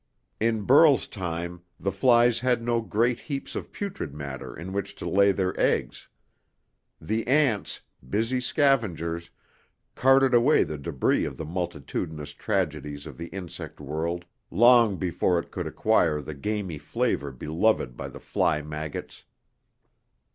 In Burl's time the flies had no great heaps of putrid matter in which to lay their eggs. The ants busy scavengers carted away the debris of the multitudinous tragedies of the insect world long before it could acquire the gamey flavor beloved by the fly maggots.